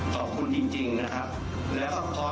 ขอบคุณจริงนะครับ